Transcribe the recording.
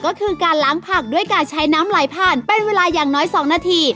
ก็คือการล้างผักด้วยการใช้น้ำไหลผ่านเป็นเวลาอย่างน้อย๒นาที